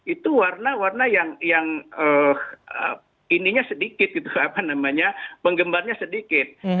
itu warna warna yang ininya sedikit gitu apa namanya penggembarnya sedikit